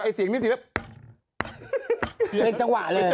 ก๊อกก๊อกก๊อกก๊อกก๊อกก๊อกก๊อกก๊อก